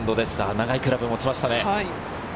長いクラブを持ちましたね。